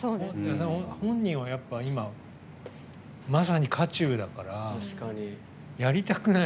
本人は今、まさに渦中だから。